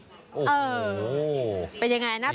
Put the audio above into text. โอ้โหเป็นยังไงหน้าตา